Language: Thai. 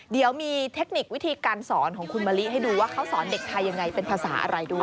เดี๋ยวมีเทคนิควิธีการสอนของคุณมะลิให้ดูว่าเขาสอนเด็กไทยยังไงเป็นภาษาอะไรด้วย